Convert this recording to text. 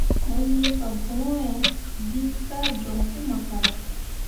Mo lii fambõore gi kah joɲ pu makala.